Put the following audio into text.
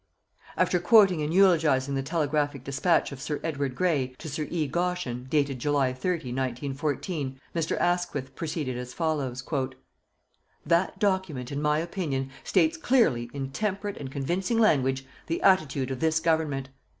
After quoting and eulogizing the telegraphic despatch of Sir Edward Grey to Sir E. Goschen, dated July 30, 1914, Mr. Asquith proceeded as follows: That document, in my opinion, states clearly, in temperate and convincing language, the attitude of this Government.